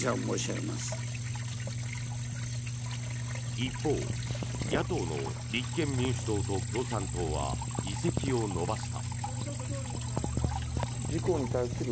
一方、野党の立憲民主党と共産党は議席を伸ばした。